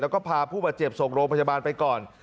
แล้วก็พาผู้บาดเจ็บส่งโรงพยาบาลไปก่อน